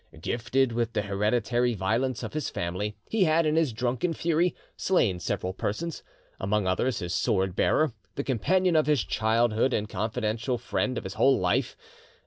Gifted with the hereditary violence of his family, he had, in his drunken fury, slain several persons, among others his sword bearer, the companion of his childhood and confidential friend of his whole life.